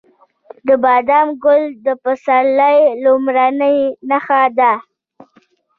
د بادام ګل د پسرلي لومړنی نښه ده.